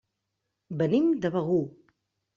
Venim de Begur.